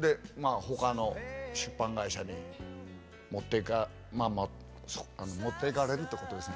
で他の出版会社に持っていか持っていかれるってことですね。